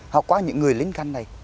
học qua những người lính canh này